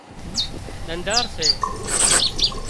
ۮنڌار سي